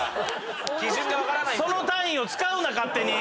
その単位を使うな勝手に！